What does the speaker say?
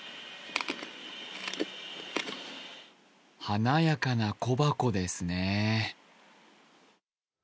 華やかな小箱ですね。